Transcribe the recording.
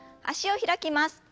脚を開きます。